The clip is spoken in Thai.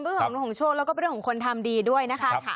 เรื่องของโชคแล้วก็เรื่องของคนทำดีด้วยนะคะ